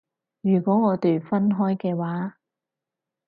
如果我哋分開嘅話